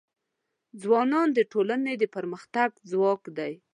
ځوانان د ټولنې د پرمختګ ځواک دی.